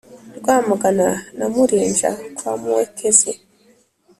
rwamagana na murinja kwa muekezi